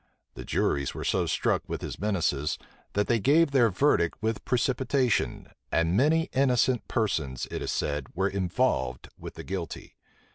The juries were so struck with his menaces, that they gave their verdict with precipitation; and many innocent persons, it is said, were involved with the guilty.